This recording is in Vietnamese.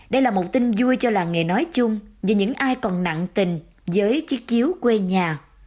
đây là một tin vui cho làng nghề nói chung và những ai còn nặng tình với chiếc chiếu quê nhà